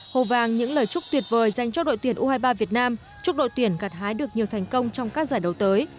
hồ vàng những lời chúc tuyệt vời dành cho đội tuyển u hai mươi ba việt nam chúc đội tuyển gặt hái được nhiều thành công trong các giải đấu tới